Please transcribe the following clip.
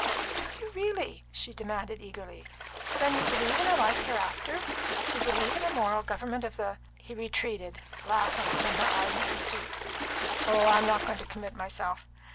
"Do you really?" she demanded eagerly. "Then you believe in a life hereafter? You believe in a moral government of the " He retreated, laughing, from her ardent pursuit. "Oh, I'm not going to commit myself.